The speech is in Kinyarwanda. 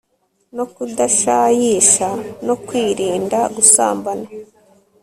no kudashayisha no kwirinda gusambana